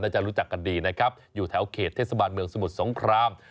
จะรู้จักกันดีนะครับอยู่แถวเขตเทศบาลเมืองสมุทรสงคราม